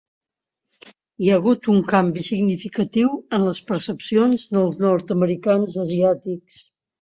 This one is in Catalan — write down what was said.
Hi ha hagut un canvi significatiu en les percepcions dels nord-americans asiàtics.